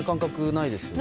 ないですね。